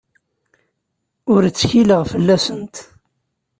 Ur ttkileɣ fell-asent.